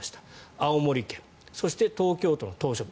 青森県そして東京都の島しょ部。